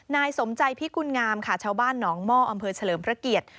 นายสมใจพิกุลงามค่ะชาวบ้านหนองหม้ออำเภอเฉลิมพระเกียรติ